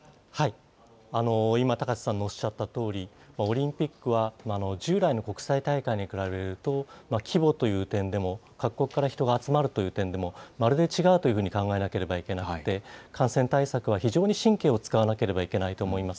今、高瀬さんのおっしゃったとおり、オリンピックは従来の国際大会に比べると、規模という点でも各国から人が集まるという点でも、まるで違うというふうに考えなければいけなくて、感染対策は非常に神経を使わなければいけないと思います。